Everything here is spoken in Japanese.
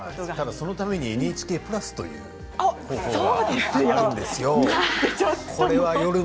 そのためにＮＨＫプラスというものがあるんですよ。